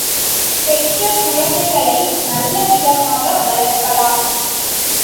பெற்ற குழந்தைகளை நல்ல விதமாக வளர்க்கலாம்.